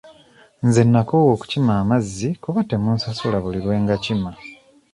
Nze nnakoowa okukima amazzi kuba temunsasula buli lwe ngakima.